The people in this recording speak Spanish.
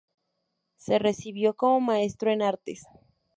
Se recibió como Maestro en Artes.